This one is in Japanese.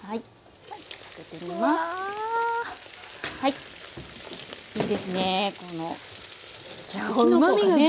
いいですね